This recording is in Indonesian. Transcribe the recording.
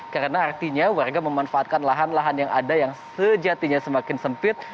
karena artinya warga memanfaatkan lahan lahan yang ada yang sejatinya semakin sempit